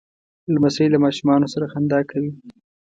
لمسی له ماشومانو سره خندا کوي.